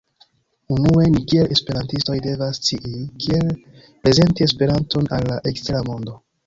Unue, ni kiel Esperantistoj, devas scii kiel prezenti Esperanton al la ekstera mondo